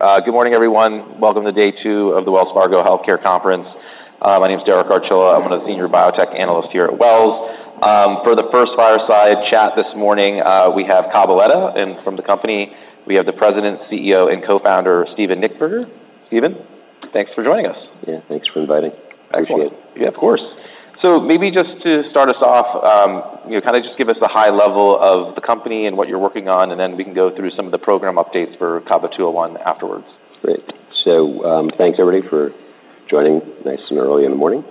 Good morning everyone. Welcome to day two of the Wells Fargo Healthcare Conference. My name is Derek Archila. I'm one of the senior biotech analysts here at Wells. For the first fireside chat this morning, we have Cabaletta, and from the company, we have the President, CEO, and Co-founder, Steven Nichtberger. Steven, thanks for joining us. Yeah, thanks for inviting. Appreciate it. Yeah, of course. So maybe just to start us off, you know, kind of just give us the high level of the company and what you're working on, and then we can go through some of the program updates for CABA-201 afterwards. Great. So, thanks everybody for joining nice and early in the morning.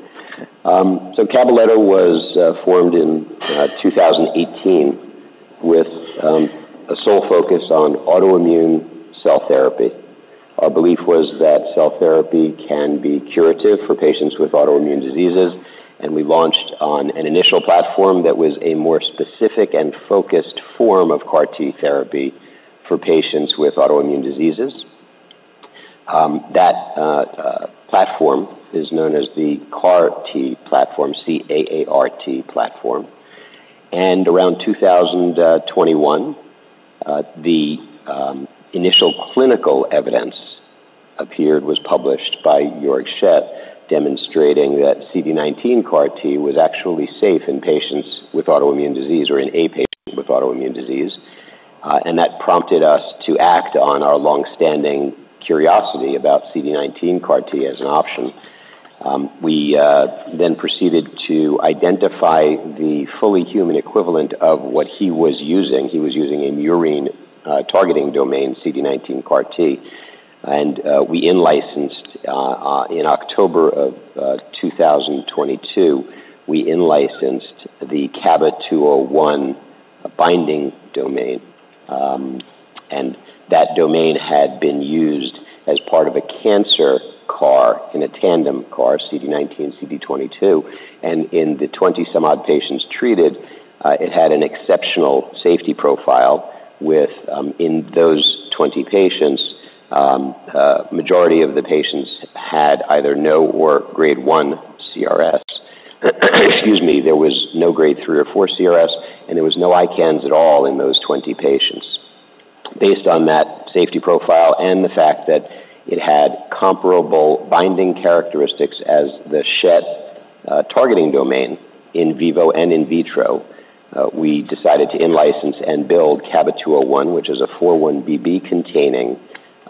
So Cabaletta was formed in 2018 with a sole focus on autoimmune cell therapy. Our belief was that cell therapy can be curative for patients with autoimmune diseases, and we launched on an initial platform that was a more specific and focused form of CAR-T therapy for patients with autoimmune diseases. That platform is known as the CAART platform, C-A-A-R-T platform. And around 2021, the initial clinical evidence appeared, was published by Georg Schett, demonstrating that CD19 CAR-T was actually safe in patients with autoimmune disease or in a patient with autoimmune disease. And that prompted us to act on our long-standing curiosity about CD19 CAR-T as an option. We then proceeded to identify the fully human equivalent of what he was using. He was using a murine targeting domain, CD19 CAR-T, and we in-licensed. In October of 2022 we in-licensed the CABA-201 binding domain. And that domain had been used as part of a cancer CAR, in a tandem CAR, CD19, CD22, and in the 20-some odd patients treated, it had an exceptional safety profile with, in those 20 patients, majority of the patients had either no or grade one CRS. There was no grade three or four CRS, and there was no ICANS at all in those 20 patients. Based on that safety profile and the fact that it had comparable binding characteristics as the Schett targeting domain in vivo and in vitro, we decided to in-license and build CABA-201, which is a 4-1BB containing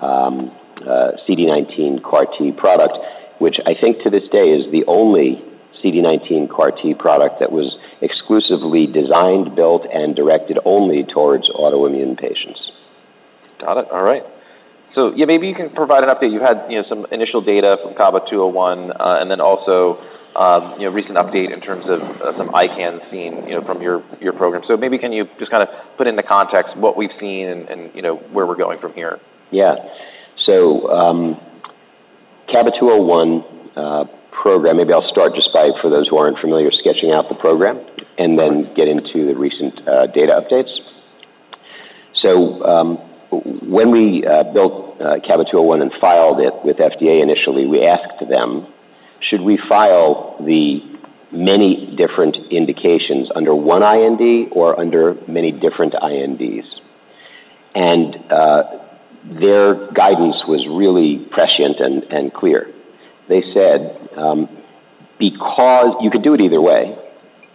CD19 CAR-T product, which I think to this day is the only CD19 CAR-T product that was exclusively designed, built, and directed only towards autoimmune patients. Got it. All right. So, yeah, maybe you can provide an update. You had, you know, some initial data from CABA-201, and then also, you know, recent update in terms of some ICANS seen, you know, from your program. So maybe can you just kinda put into context what we've seen and you know, where we're going from here? Yeah. So, CABA-201 program, maybe I'll start just by, for those who aren't familiar, sketching out the program and then get into the recent data updates. So, when we built CABA-201 and filed it with FDA, initially, we asked them, "Should we file the many different indications under one IND or under many different INDs?" And, their guidance was really prescient and clear. They said, "Because you could do it either way,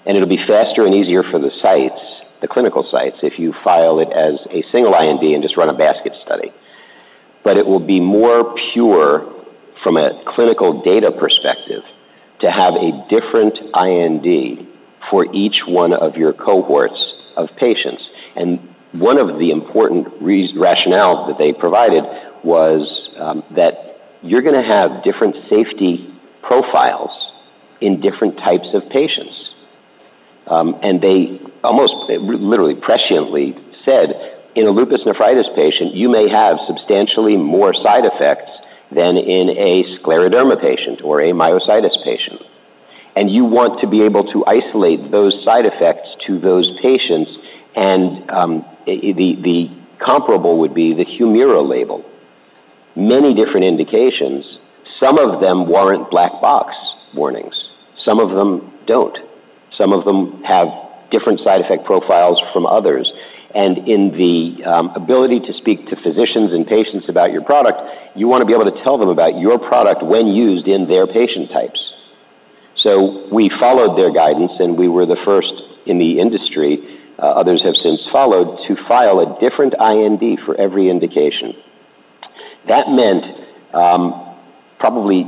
and it'll be faster and easier for the sites, the clinical sites, if you file it as a single IND and just run a basket study. But it will be more pure from a clinical data perspective to have a different IND for each one of your cohorts of patients." And one of the important rationale that they provided was, that you're gonna have different safety profiles in different types of patients. And they almost literally presciently said, "In a lupus nephritis patient, you may have substantially more side effects than in a scleroderma patient or a myositis patient, and you want to be able to isolate those side effects to those patients." And, the comparable would be the HUMIRA label. Many different indications. Some of them warrant black box warnings, some of them don't. Some of them have different side effect profiles from others, and in the ability to speak to physicians and patients about your product, you wanna be able to tell them about your product when used in their patient types". So we followed their guidance, and we were the first in the industry, others have since followed, to file a different IND for every indication. That meant, probably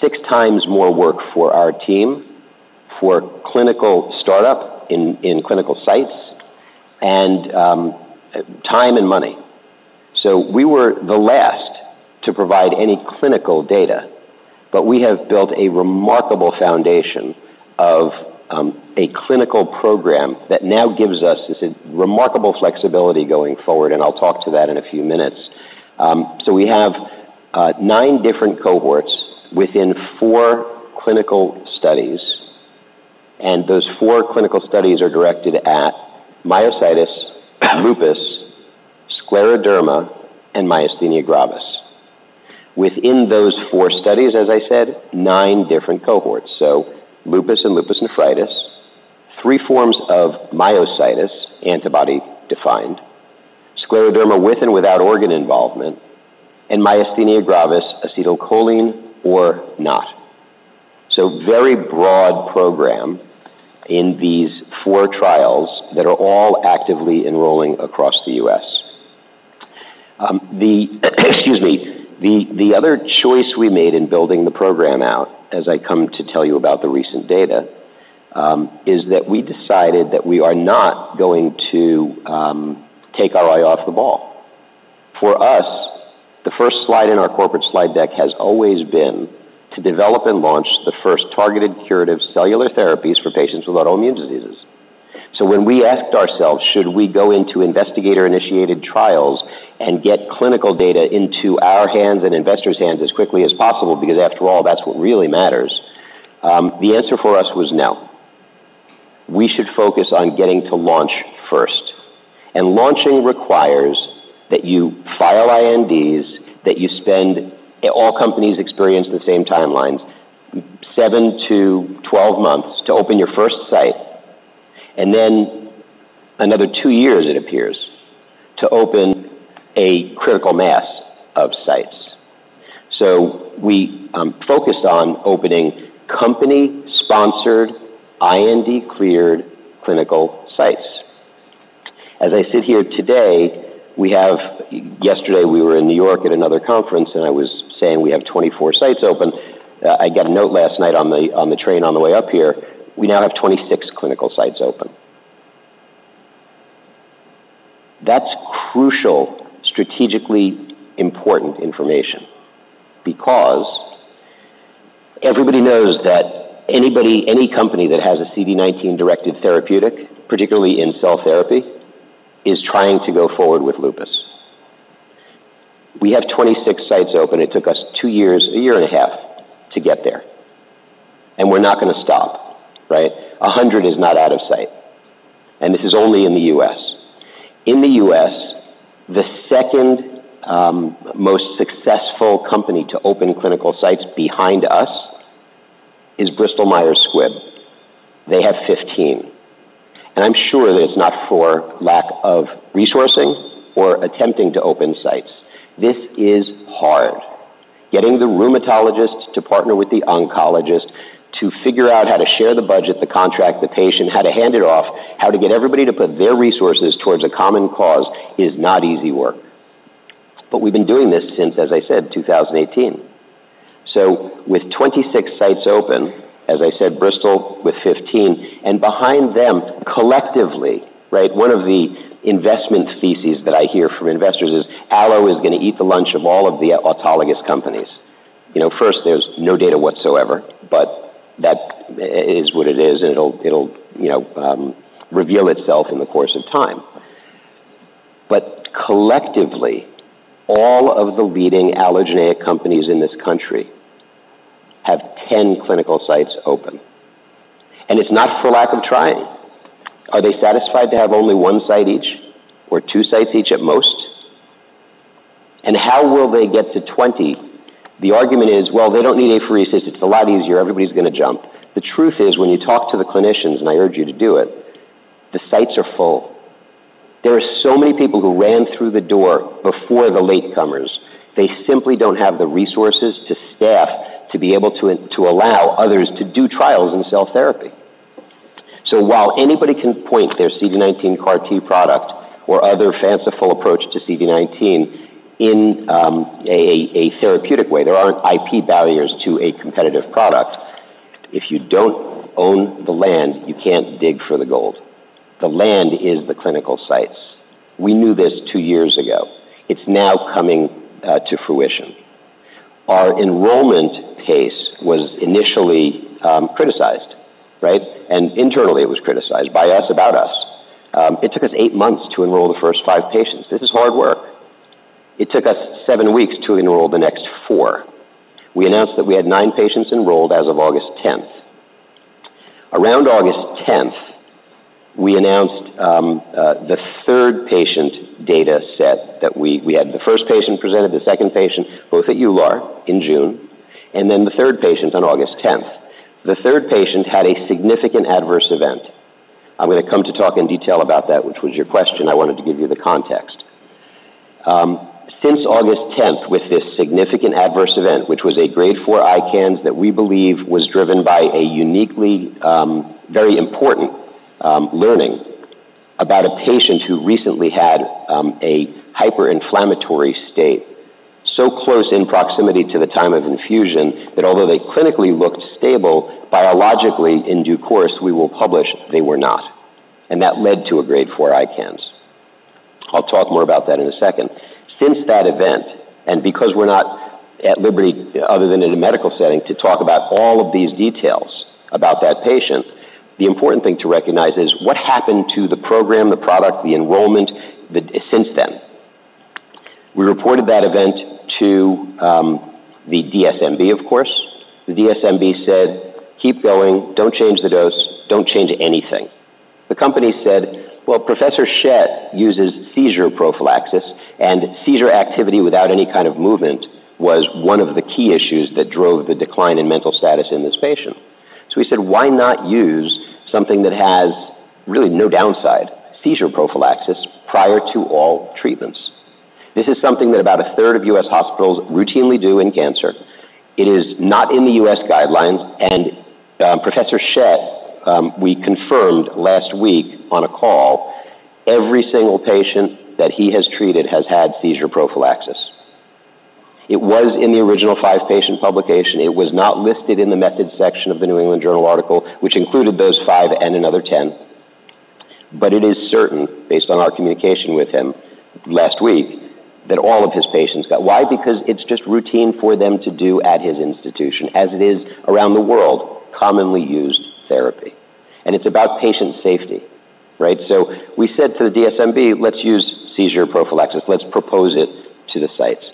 six times more work for our team, for clinical startup in clinical sites and time and money. So we were the last to provide any clinical data, but we have built a remarkable foundation of a clinical program that now gives us this remarkable flexibility going forward, and I'll talk to that in a few minutes. So we have nine different cohorts within four clinical studies, and those four clinical studies are directed at myositis, lupus, scleroderma, and myasthenia gravis. Within those four studies, as I said, nine different cohorts. So lupus and lupus nephritis, three forms of myositis, antibody-defined, scleroderma with and without organ involvement, and myasthenia gravis, acetylcholine or not. So very broad program in these four trials that are all actively enrolling across the US. The other choice we made in building the program out, as I come to tell you about the recent data, is that we decided that we are not going to take our eye off the ball. For us, the first slide in our corporate slide deck has always been to develop and launch the first targeted curative cellular therapies for patients with autoimmune diseases. So when we asked ourselves, should we go into investigator-initiated trials and get clinical data into our hands and investors' hands as quickly as possible, because after all, that's what really matters, the answer for us was no. We should focus on getting to launch first. And launching requires that you file INDs, that you spend. All companies experience the same timelines, 7 to 12 months to open your first site, and then another two years, it appears, to open a critical mass of sites. We focused on opening company-sponsored, IND-cleared clinical sites. As I sit here today, we have., yesterday, we were in New York at another conference, and I was saying we have 24 sites open. I got a note last night on the train on the way up here, we now have 26 clinical sites open. That's crucial, strategically important information because everybody knows that anybody, any company that has a CD19-directed therapeutic, particularly in cell therapy, is trying to go forward with lupus. We have 26 sites open. It took us two years, a year and a half to get there, and we're not going to stop, right? A hundred is not out of sight, and this is only in the US. In the US, the second most successful company to open clinical sites behind us is Bristol Myers Squibb. They have 15, and I'm sure that it's not for lack of resourcing or attempting to open sites. This is hard. Getting the rheumatologist to partner with the oncologist to figure out how to share the budget, the contract, the patient, how to hand it off, how to get everybody to put their resources towards a common cause is not easy work. But we've been doing this since, as I said, 2018. So with 26 sites open, as I said, Bristol with 15, and behind them, collectively, right? One of the investment theses that I hear from investors is Allo is going to eat the lunch of all of the autologous companies. You know, first, there's no data whatsoever, but that is it is what it is, and it'll, you know, reveal itself in the course of time. But collectively, all of the leading allogeneic companies in this country have 10 clinical sites open, and it's not for lack of trying. Are they satisfied to have only one site each or two sites each at most? And how will they get to 20? The argument is, well, they don't need apheresis. It's a lot easier. Everybody's going to jump. The truth is, when you talk to the clinicians, and I urge you to do it, the sites are full. There are so many people who ran through the door before the latecomers. They simply don't have the resources to staff to be able to allow others to do trials in cell therapy. So while anybody can point their CD19 CAR-T product or other fanciful approach to CD19 in a therapeutic way, there aren't IP barriers to a competitive product. If you don't own the land, you can't dig for the gold. The land is the clinical sites. We knew this two years ago. It's now coming to fruition. Our enrollment pace was initially criticized, right? Internally, it was criticized by us, about us. It took us eight months to enroll the first five patients. This is hard work. It took us seven weeks to enroll the next four. We announced that we had nine patients enrolled as of 10 August. Around 10 August, we announced the third patient data set. We had the first patient presented, the second patient, both at EULAR in June, and then the third patient on 10 August. The third patient had a significant adverse event. I'm going to come to talk in detail about that, which was your question. I wanted to give you the context. Since 10 August, with this significant adverse event, which was a grade four ICANS that we believe was driven by a uniquely, very important, learning about a patient who recently had, a hyperinflammatory state so close in proximity to the time of infusion, that although they clinically looked stable, biologically, in due course, we will publish they were not, and that led to a grade four ICANS. I'll talk more about that in a second. Since that event, and because we're not at liberty, other than in a medical setting, to talk about all of these details about that patient, the important thing to recognize is what happened to the program, the product, the enrollment, the. Since then? We reported that event to, the DSMB, of course. The DSMB said, "Keep going. Don't change the dose. Don't change anything."...The company said, "Well, Professor Schett uses seizure prophylaxis, and seizure activity without any kind of movement was one of the key issues that drove the decline in mental status in this patient." So we said, "Why not use something that has really no downside, seizure prophylaxis, prior to all treatments?" This is something that about a third of U.S. hospitals routinely do in cancer. It is not in the U.S. guidelines, and, Professor Schett, we confirmed last week on a call, every single patient that he has treated has had seizure prophylaxis. It was in the original five-patient publication. It was not listed in the methods section of the New England Journal article, which included those five and another 10. But it is certain, based on our communication with him last week, that all of his patients got... Why? Because it's just routine for them to do at his institution, as it is around the world, commonly used therapy, and it's about patient safety, right? So we said to the DSMB: Let's use seizure prophylaxis. Let's propose it to the sites.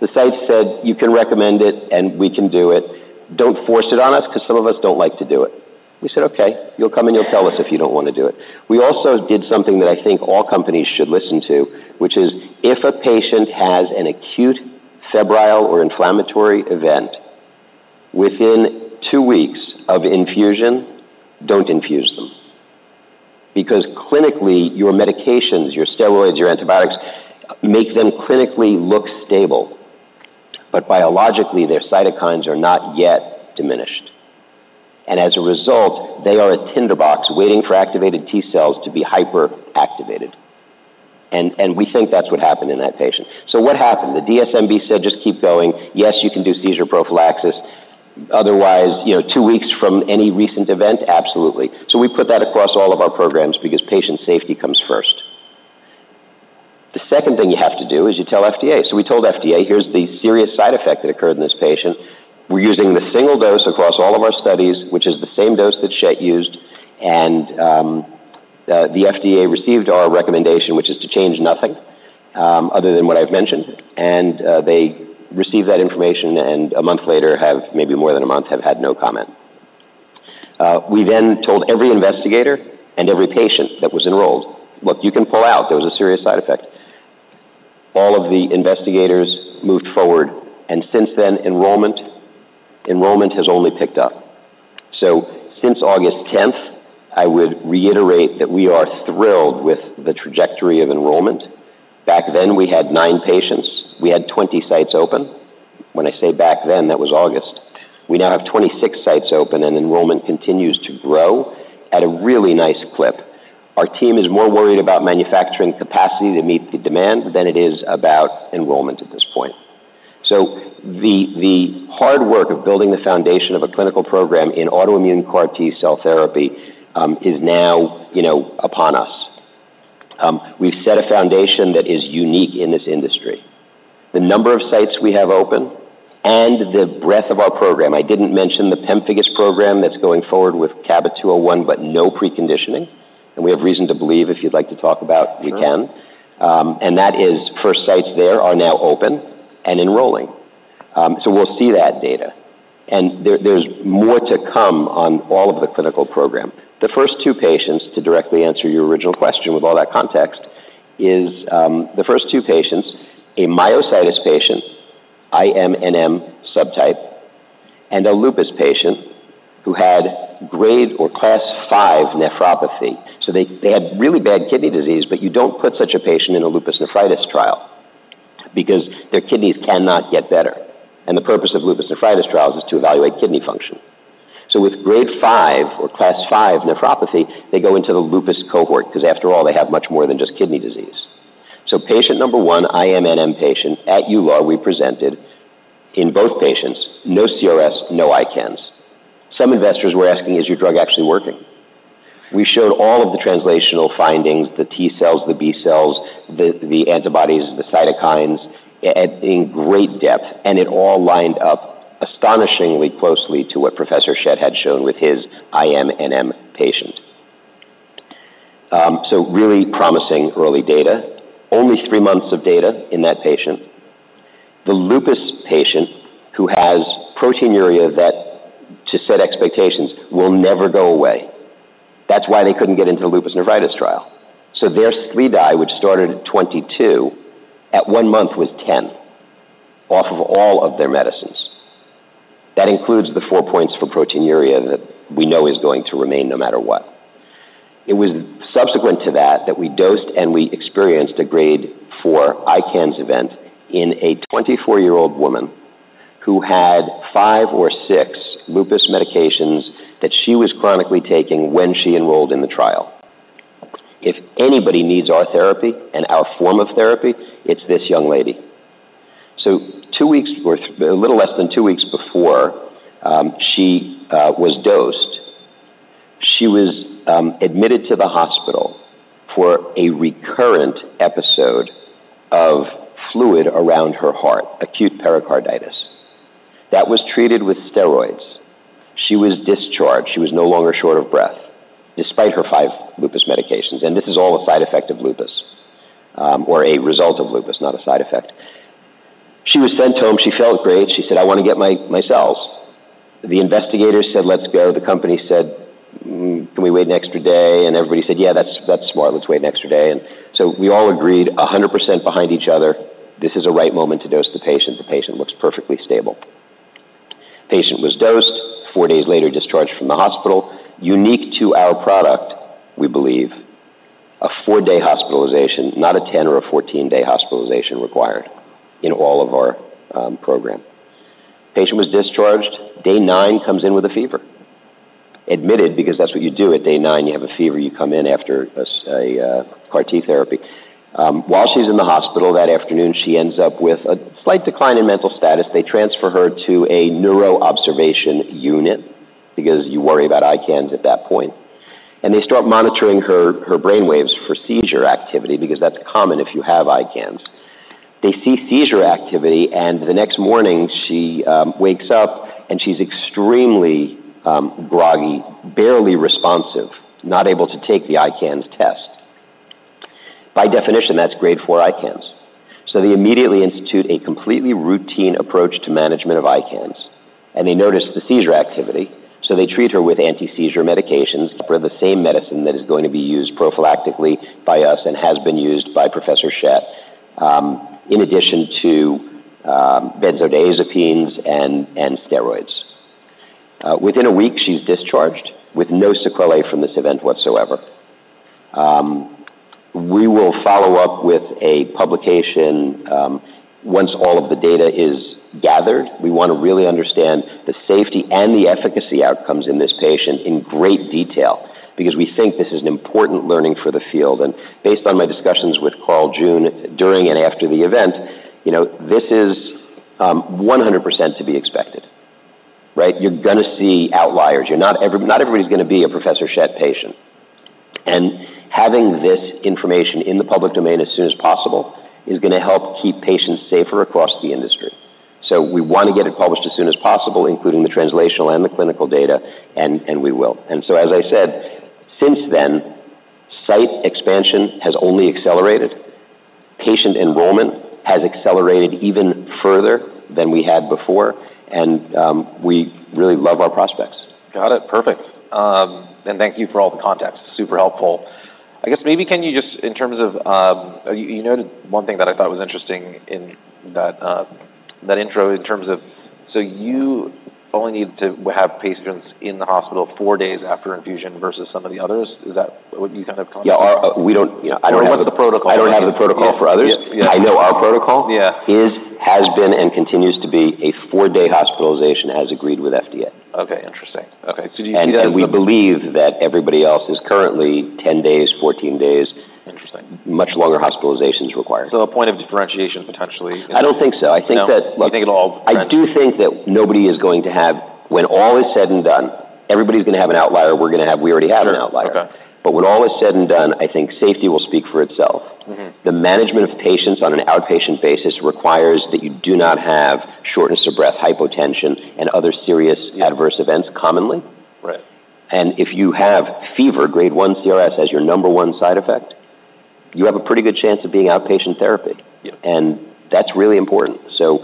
The site said, "You can recommend it, and we can do it. Don't force it on us because some of us don't like to do it." We said, "Okay, you'll come, and you'll tell us if you don't want to do it." We also did something that I think all companies should listen to, which is if a patient has an acute febrile or inflammatory event within two weeks of infusion, don't infuse them. Because clinically, your medications, your steroids, your antibiotics, make them clinically look stable, but biologically, their cytokines are not yet diminished. And as a result, they are a tinderbox waiting for activated T cells to be hyperactivated, and we think that's what happened in that patient. So what happened? The DSMB said, "Just keep going. Yes, you can do seizure prophylaxis. Otherwise, you know, two weeks from any recent event, absolutely." So we put that across all of our programs because patient safety comes first. The second thing you have to do is you tell FDA. So we told FDA, "Here's the serious side effect that occurred in this patient. We're using the single dose across all of our studies, which is the same dose that Schett used," and the FDA received our recommendation, which is to change nothing, other than what I've mentioned, and they received that information, and a month later, maybe more than a month, they have had no comment. We then told every investigator and every patient that was enrolled, "Look, you can pull out. There was a serious side effect." All of the investigators moved forward, and since then, enrollment has only picked up. So since August tenth, I would reiterate that we are thrilled with the trajectory of enrollment. Back then, we had nine patients. We had 20 sites open. When I say back then, that was August. We now have 26 sites open, and enrollment continues to grow at a really nice clip. Our team is more worried about manufacturing capacity to meet the demand than it is about enrollment at this point. So the hard work of building the foundation of a clinical program in autoimmune CAR-T cell therapy is now, you know, upon us. We've set a foundation that is unique in this industry. The number of sites we have open and the breadth of our program. I didn't mention the pemphigus program that's going forward with CABA-201, but no preconditioning, and we have reason to believe, if you'd like to talk about, we can, and that is first sites there are now open and enrolling, so we'll see that data, and there, there's more to come on all of the clinical program. The first two patients, to directly answer your original question with all that context, is, the first two patients, a myositis patient, subtype, and a lupus patient who had grade or Class V nephropathy. So they, they had really bad kidney disease, but you don't put such a patient in a lupus nephritis trial because their kidneys cannot get better, and the purpose of lupus nephritis trials is to evaluate kidney function. With grade V or Class V nephropathy, they go into the lupus cohort because, after all, they have much more than just kidney disease. Patient number one, IMNM patient at EULAR we presented in both patients, no CRS, no ICANS. Some investors were asking: Is your drug actually working? We showed all of the translational findings, the T cells, the B cells, the antibodies, the cytokines, in great depth, and it all lined up astonishingly closely to what Professor Schett had shown with his IMNM patient. So really promising early data. Only three months of data in that patient. The lupus patient, who has proteinuria that, to set expectations, will never go away. That's why they couldn't get into the lupus nephritis trial. So there's SLEDAI, which started at 22, at one month, was 10, off of all of their medicines. That includes the four points for proteinuria that we know is going to remain no matter what. It was subsequent to that, that we dosed, and we experienced a Grade four ICANS event in a 24-year-old woman who had five or six lupus medications that she was chronically taking when she enrolled in the trial. If anybody needs our therapy and our form of therapy, it's this young lady. Two weeks, or a little less than two weeks before she was dosed, she was admitted to the hospital for a recurrent episode of fluid around her heart, acute pericarditis. That was treated with steroids. She was discharged. She was no longer short of breath, despite her five lupus medications, and this is all a side effect of lupus, or a result of lupus, not a side effect. She was sent home, she felt great. She said, "I want to get my cells." The investigator said, "Let's go." The company said, "can we wait an extra day?" And everybody said, "Yeah, that's smart. Let's wait an extra day." And so we all agreed 100% behind each other, this is a right moment to dose the patient. The patient looks perfectly stable. Patient was dosed, four days later, discharged from the hospital. Unique to our product, we believe, a four-day hospitalization, not a 10- or 14-day hospitalization required in all of our program. Patient was discharged. Day 9, comes in with a fever, admitted, because that's what you do. At day 9, you have a fever, you come in after a CAR-T therapy. While she's in the hospital that afternoon, she ends up with a slight decline in mental status. They transfer her to a neuro observation unit because you worry about ICANS at that point, and they start monitoring her brainwaves for seizure activity because that's common if you have ICANS. They see seizure activity, and the next morning, she wakes up, and she's extremely groggy, barely responsive, not able to take the ICANS test. By definition, that's grade four ICANS. So they immediately institute a completely routine approach to management of ICANS, and they notice the seizure activity, so they treat her with anti-seizure medications for the same medicine that is going to be used prophylactically by us and has been used by Professor Schett in addition to benzodiazepines and steroids. Within a week, she's discharged with no sequelae from this event whatsoever. We will follow up with a publication once all of the data is gathered. We want to really understand the safety and the efficacy outcomes in this patient in great detail because we think this is an important learning for the field, and based on my discussions with Carl June, during and after the event, you know, this is 100% to be expected, right? You're gonna see outliers. Not everybody's gonna be a Professor Schett patient. And having this information in the public domain as soon as possible is gonna help keep patients safer across the industry, so we want to get it published as soon as possible, including the translational and the clinical data, and we will. And so, as I said, since then, site expansion has only accelerated. Patient enrollment has accelerated even further than we had before, and we really love our prospects. Got it. Perfect, and thank you for all the context. Super helpful. I guess maybe can you just, in terms of, you noted one thing that I thought was interesting in that intro in terms of, so you only need to have patients in the hospital four days after infusion versus some of the others. Is that what you kind of- Yeah, we don't, you know, I don't have- What's the protocol? I don't have the protocol for others. Yeah. I know our protocol. Yeah. Is, has been, and continues to be a four-day hospitalization, as agreed with FDA. Okay, interesting. Okay, so do you guys- And we believe that everybody else is currently 10 days, 14 days. Interesting. Much longer hospitalizations required. So a point of differentiation, potentially? I don't think so. No? I think that- You think it all- I do think that nobody is going to have... When all is said and done, everybody's gonna have an outlier. We're gonna have, we already have an outlier. Sure. Okay. But when all is said and done, I think safety will speak for itself. Mm-hmm. The management of patients on an outpatient basis requires that you do not have shortness of breath, hypotension, and other serious adverse events commonly. Right. If you have fever, grade one CRS, as your number one side effect, you have a pretty good chance of being outpatient therapy. Yeah. And that's really important. So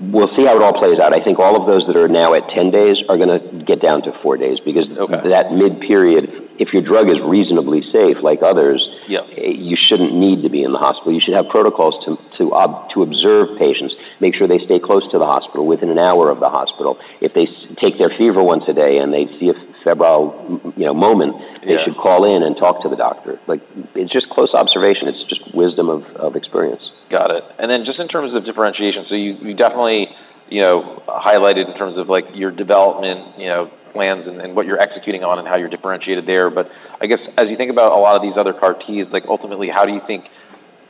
we'll see how it all plays out. I think all of those that are now at 10 days are gonna get down to four days, because- Okay... that mid-period, if your drug is reasonably safe, like others- Yeah... you shouldn't need to be in the hospital. You should have protocols to observe patients, make sure they stay close to the hospital, within an hour of the hospital. If they take their fever once a day and they see a febrile, you know, moment- Yeah ... they should call in and talk to the doctor. Like, it's just close observation. It's just wisdom of experience. Got it. And then just in terms of differentiation, so you definitely, you know, highlighted in terms of, like, your development, you know, plans and what you're executing on and how you're differentiated there. But I guess as you think about a lot of these other CAR-Ts, like, ultimately, how do you think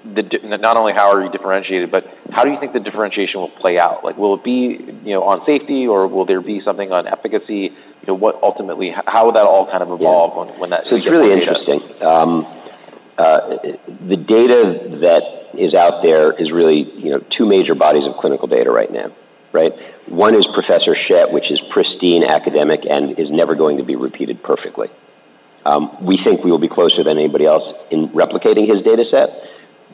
not only how are you differentiated, but how do you think the differentiation will play out? Like, will it be, you know, on safety, or will there be something on efficacy? You know, what ultimately, how will that all kind of evolve on- Yeah When that data? It's really interesting. The data that is out there is really, you know, two major bodies of clinical data right now, right? One is Professor Schett, which is pristine, academic, and is never going to be repeated perfectly. We think we will be closer than anybody else in replicating his dataset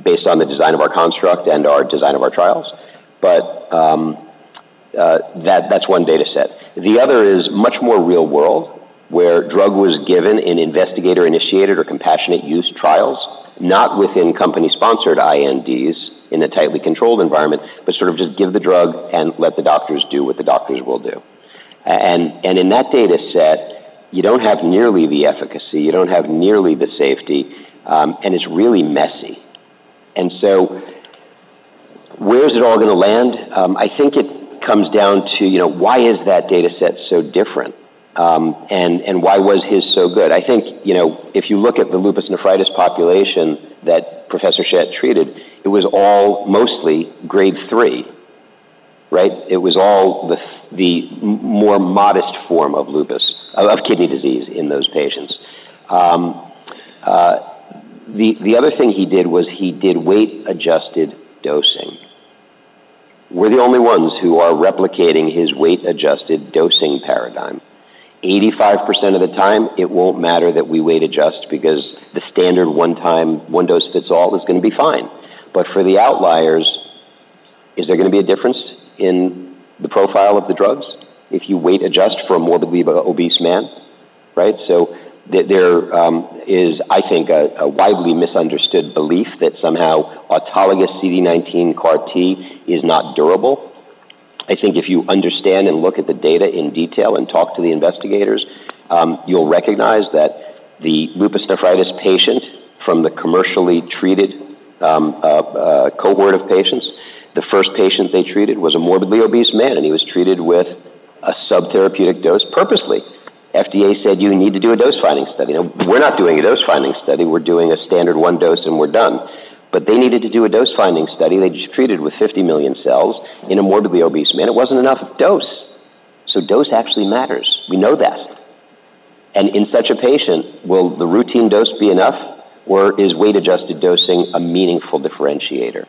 based on the design of our construct and our design of our trials. But, that, that's one dataset. The other is much more real-world, where drug was given in investigator-initiated or compassionate use trials, not within company-sponsored INDs in a tightly controlled environment, but sort of just give the drug and let the doctors do what the doctors will do. And in that dataset, you don't have nearly the efficacy, you don't have nearly the safety, and it's really messy. And so where is it all gonna land? I think it comes down to, you know, why is that dataset so different? And why was his so good? I think, you know, if you look at the lupus nephritis population that Professor Schett treated, it was all mostly grade three, right? It was all the more modest form of lupus, of kidney disease in those patients. The other thing he did was he did weight-adjusted dosing. We're the only ones who are replicating his weight-adjusted dosing paradigm.... 85% of the time, it won't matter that we weight adjust because the standard one time, one dose fits all is going to be fine. But for the outliers, is there going to be a difference in the profile of the drugs if you weight adjust for a morbidly obese man, right? So there is, I think, a widely misunderstood belief that somehow autologous CD19 CAR-T is not durable. I think if you understand and look at the data in detail and talk to the investigators, you'll recognize that the lupus nephritis patient from the commercially treated cohort of patients, the first patient they treated was a morbidly obese man, and he was treated with a subtherapeutic dose purposely. FDA said, "You need to do a dose-finding study." "We're not doing a dose-finding study. We're doing a standard one dose, and we're done." But they needed to do a dose-finding study. They just treated with 50 million cells in a morbidly obese man. It wasn't enough dose. So dose actually matters. We know that. And in such a patient, will the routine dose be enough, or is weight-adjusted dosing a meaningful differentiator?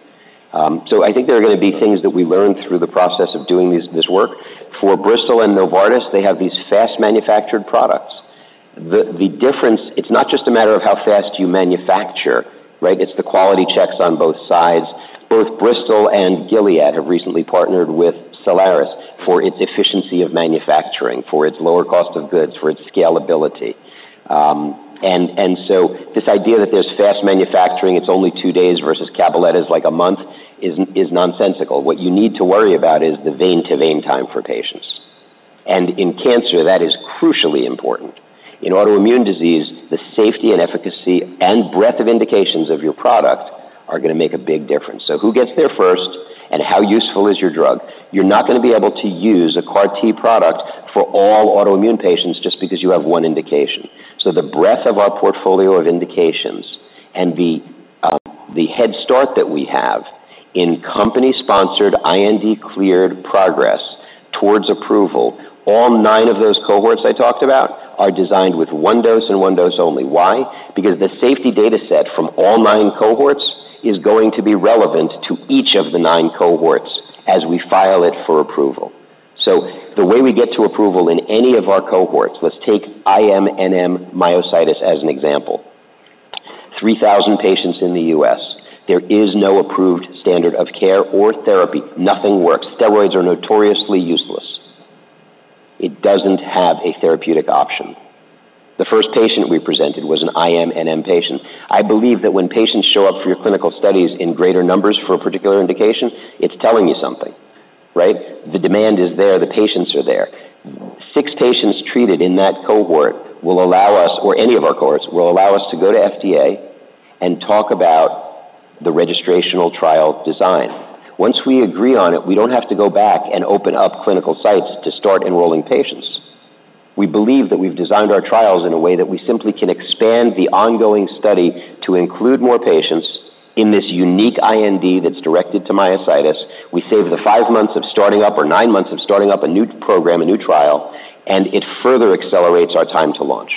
I think there are going to be things that we learn through the process of doing this work. For Bristol and Novartis, they have these fast-manufactured products. The difference, it's not just a matter of how fast you manufacture, right? It's the quality checks on both sides. Both Bristol and Gilead have recently partnered with Cellares for its efficiency of manufacturing, for its lower cost of goods, for its scalability. And so this idea that there's fast manufacturing, it's only two days versus Cabaletta's like a month, is nonsensical. What you need to worry about is the vein-to-vein time for patients. And in cancer, that is crucially important. In autoimmune disease, the safety and efficacy and breadth of indications of your product are going to make a big difference. So who gets there first, and how useful is your drug? You're not going to be able to use a CAR-T product for all autoimmune patients just because you have one indication. So the breadth of our portfolio of indications and the head start that we have in company-sponsored, IND-cleared progress towards approval, all nine of those cohorts I talked about are designed with one dose and one dose only. Why? Because the safety data set from all nine cohorts is going to be relevant to each of the nine cohorts as we file it for approval. So the way we get to approval in any of our cohorts, let's take IMNM myositis as an example. 3,000 patients in the U.S., there is no approved standard of care or therapy. Nothing works. Steroids are notoriously useless. It doesn't have a therapeutic option. The first patient we presented was an IMNM patient. I believe that when patients show up for your clinical studies in greater numbers for a particular indication, it's telling you something, right? The demand is there. The patients are there. Six patients treated in that cohort will allow us, or any of our cohorts, to go to FDA and talk about the registrational trial design. Once we agree on it, we don't have to go back and open up clinical sites to start enrolling patients. We believe that we've designed our trials in a way that we simply can expand the ongoing study to include more patients in this unique IND that's directed to myositis. We save the five months of starting up or nine months of starting up a new program, a new trial, and it further accelerates our time to launch.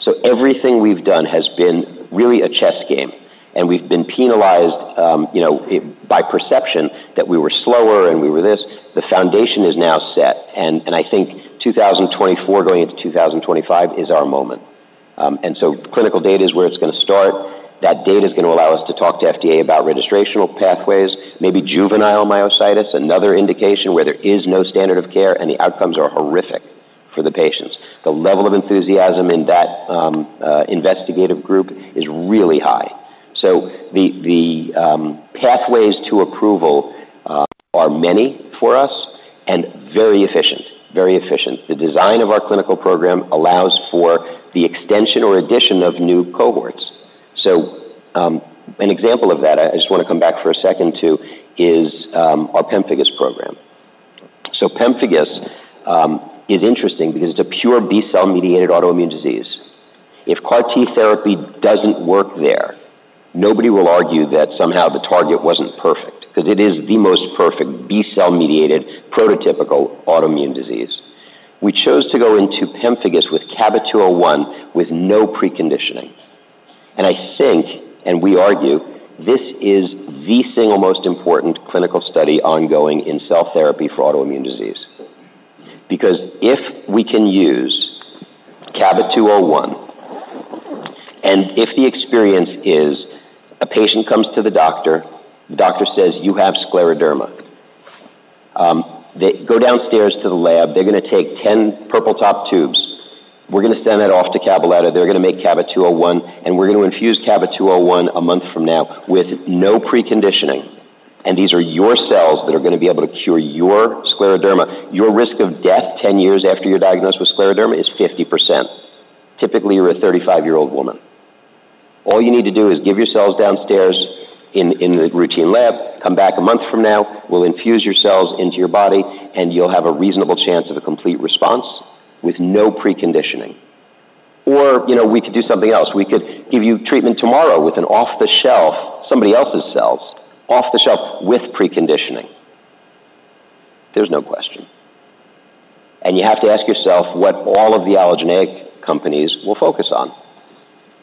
So everything we've done has been really a chess game, and we've been penalized, you know, by perception that we were slower and we were this. The foundation is now set, and I think 2024 going into 2025 is our moment. And so clinical data is where it's going to start. That data is going to allow us to talk to FDA about registrational pathways, maybe juvenile myositis, another indication where there is no standard of care and the outcomes are horrific for the patients. The level of enthusiasm in that investigative group is really high. So the pathways to approval are many for us and very efficient, very efficient. The design of our clinical program allows for the extension or addition of new cohorts. An example of that, I just want to come back for a second to our pemphigus program. Pemphigus is interesting because it's a pure B cell-mediated autoimmune disease. If CAR-T therapy doesn't work there, nobody will argue that somehow the target wasn't perfect because it is the most perfect B cell-mediated, prototypical autoimmune disease. We chose to go into pemphigus with CABA-201 with no preconditioning. I think, and we argue, this is the single most important clinical study ongoing in cell therapy for autoimmune disease. Because if we can use CABA-201, and if the experience is a patient comes to the doctor, the doctor says, "You have scleroderma." They go downstairs to the lab, they're going to take ten purple top tubes. We're going to send that off to Cabaletta. They're going to make CABA-201, and we're going to infuse CABA-201 a month from now with no preconditioning, and these are your cells that are going to be able to cure your scleroderma. Your risk of death ten years after you're diagnosed with scleroderma is 50%. Typically, you're a thirty-five-year-old woman. All you need to do is give your cells downstairs in a routine lab, come back a month from now, we'll infuse your cells into your body, and you'll have a reasonable chance of a complete response with no preconditioning. Or, you know, we could do something else. We could give you treatment tomorrow with an off-the-shelf, somebody else's cells, off-the-shelf with preconditioning. There's no question, and you have to ask yourself what all of the allogeneic companies will focus on.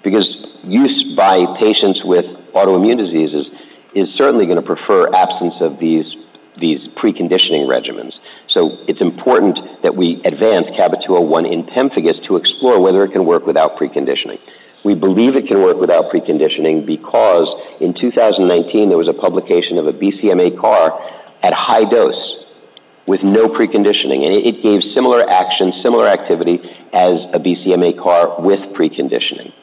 because use by patients with autoimmune diseases is certainly going to prefer absence of these, these preconditioning regimens. So it's important that we advance CABA-201 in pemphigus to explore whether it can work without preconditioning. We believe it can work without preconditioning because in 2019, there was a publication of a BCMA CAR at high dose with no preconditioning, and it gave similar action, similar activity as a BCMA CAR with preconditioning.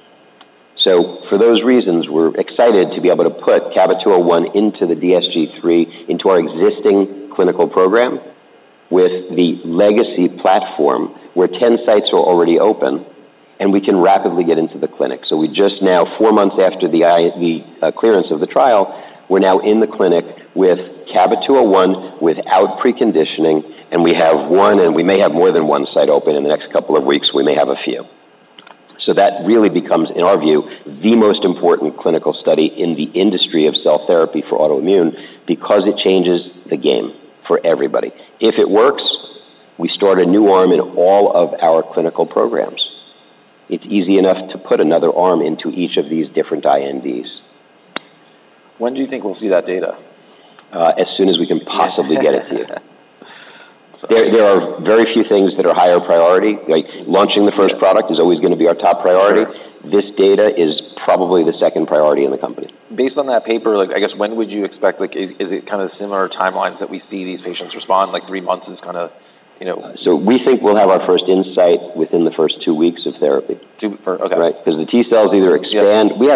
So for those reasons, we're excited to be able to put CABA-201 into the DSG3, into our existing clinical program, with the legacy platform, where 10 sites are already open, and we can rapidly get into the clinic. So we just now, four months after the clearance of the trial, we're now in the clinic with CABA-201 without preconditioning, and we have one, and we may have more than one site open in the next couple of weeks. We may have a few. That really becomes, in our view, the most important clinical study in the industry of cell therapy for autoimmune because it changes the game for everybody. If it works, we start a new arm in all of our clinical programs. It's easy enough to put another arm into each of these different INDs. When do you think we'll see that data? As soon as we can possibly get it to you. There are very few things that are higher priority, like launching the first product is always going to be our top priority. This data is probably the second priority in the company. Based on that paper, like, I guess, when would you expect... Like, is it kind of similar timelines that we see these patients respond, like three months is kind of, you know- We think we'll have our first insight within the first two weeks of therapy. Okay. Right? Because the T cells either expand. We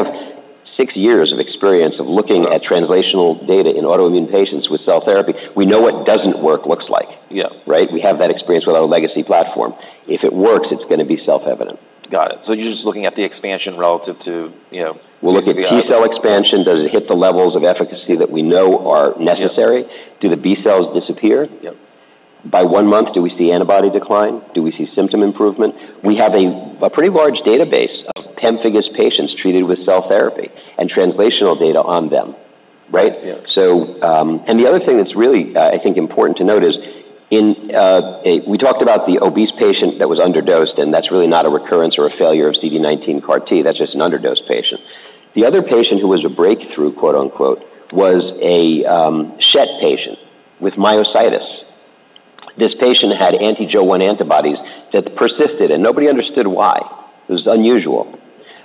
have six years of experience of looking at Translational data in autoimmune patients with cell therapy. We know what doesn't work, looks like. Yeah. Right? We have that experience with our legacy platform. If it works, it's going to be self-evident. Got it. So you're just looking at the expansion relative to, you know, the- We'll look at T cell expansion. Does it hit the levels of efficacy that we know are necessary? Yeah. Do the B cells disappear? Yep. By one month, do we see antibody decline? Do we see symptom improvement? We have a pretty large database of pemphigus patients treated with cell therapy and translational data on them, right? Yeah. And the other thing that's really, I think, important to note is we talked about the obese patient that was under-dosed, and that's really not a recurrence or a failure of CD19 CAR-T. That's just an under-dosed patient. The other patient who was a "breakthrough," quote, unquote, was a Schett patient with myositis. This patient had anti-Jo-1 antibodies that persisted, and nobody understood why. It was unusual.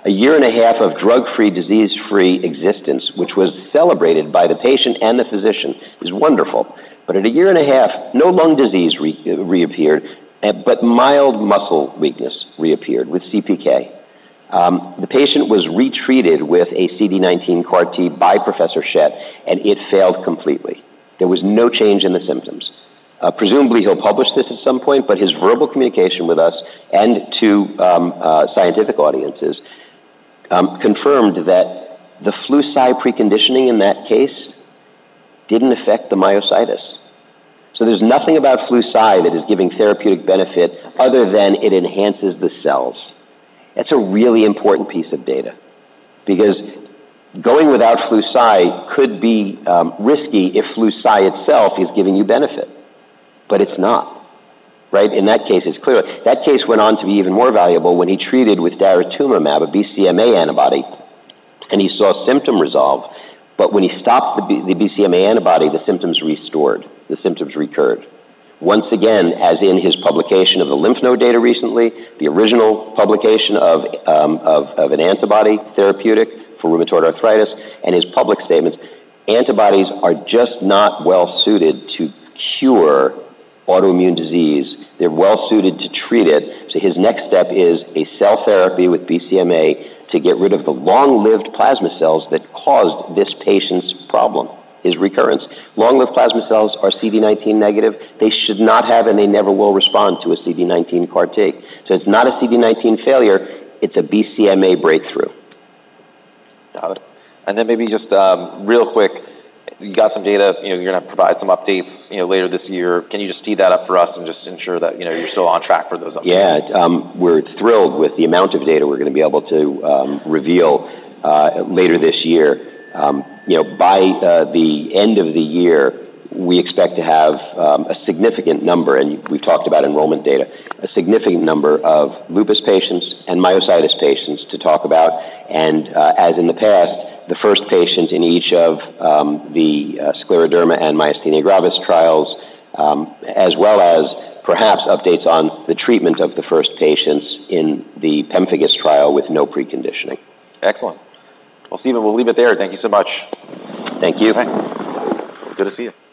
A year and a half of drug-free, disease-free existence, which was celebrated by the patient and the physician, is wonderful. But at a year and a half, no lung disease reappeared, but mild muscle weakness reappeared with CPK. The patient was retreated with a CD19 CAR-T by Professor Schett, and it failed completely. There was no change in the symptoms. Presumably, he'll publish this at some point, but his verbal communication with us and to scientific audiences confirmed that the Flu-Cy-preconditioning in that case didn't affect the myositis. So there's nothing about Flu-Cy that is giving therapeutic benefit other than it enhances the cells. That's a really important piece of data because going without Flu-Cy could be risky if Flu-Cy itself is giving you benefit, but it's not, right? In that case, it went on to be even more valuable when he treated with daratumumab, a BCMA antibody, and he saw symptom resolve. But when he stopped the BCMA antibody, the symptoms restored, the symptoms recurred. Once again, as in his publication of the lymph node data recently, the original publication of an antibody therapeutic for rheumatoid arthritis and his public statements, antibodies are just not well suited to cure autoimmune disease. They're well suited to treat it. So his next step is a cell therapy with BCMA to get rid of the long-lived plasma cells that caused this patient's problem, his recurrence. Long-lived plasma cells are CD19 negative. They should not have, and they never will respond to a CD19 CAR-T. So it's not a CD19 failure, it's a BCMA breakthrough. Got it. And then maybe just, real quick, you got some data, you know, you're going to provide some updates, you know, later this year. Can you just tee that up for us and just ensure that, you know, you're still on track for those updates? Yeah. We're thrilled with the amount of data we're going to be able to reveal later this year. You know, by the end of the year, we expect to have a significant number, and we've talked about enrollment data, a significant number of lupus patients and myositis patients to talk about, and as in the past, the first patient in each of the scleroderma and myasthenia gravis trials, as well as perhaps updates on the treatment of the first patients in the pemphigus trial with no preconditioning. Excellent. Well, Steven, we'll leave it there. Thank you so much. Thank you. Bye. Good to see you.